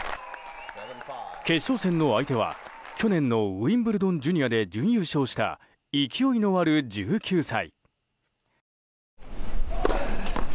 決勝戦の相手は去年のウィンブルドンジュニアで準優勝した勢いのある１９歳。